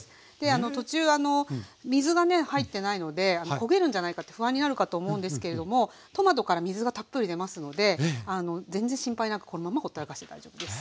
途中水がね入ってないので焦げるんじゃないかって不安になるかと思うんですけれどもトマトから水がたっぷり出ますので全然心配なくこのままほったらかしで大丈夫です。